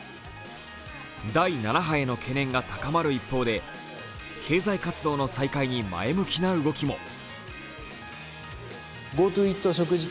第７波への懸念が高まる一方で、経済活動の再開に前向きな動きも。